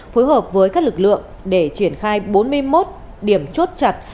phối hợp với các lực lượng để triển khai bốn mươi một điểm chốt chặn